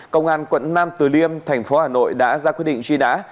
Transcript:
công an quận năm từ liêm tp hà nội đã ra quyết định truy nã